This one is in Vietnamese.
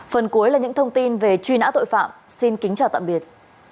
phần cuối là những thông tin về truy nã tội phạm xin kính chào tạm biệt